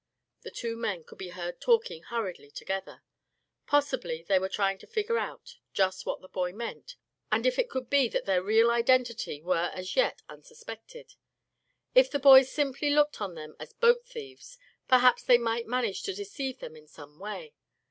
The two men could be heard talking hurriedly together. Possibly they were trying to figure out just what the boy meant and if it could be that their real identity were as yet unsuspected. If the boys simply looked on them as boat thieves, perhaps they might manage to deceive them in some way.